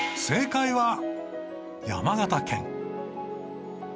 正解は山形県。